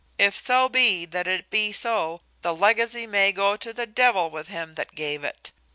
If so be that it be so, the legacy may go to the devil with him that gave it.